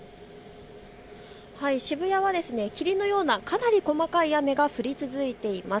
渋谷は霧のようなかなり細かい雨が降り続いています。